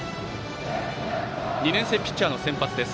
２年生ピッチャーの先発です